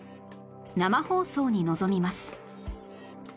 生放送に臨みます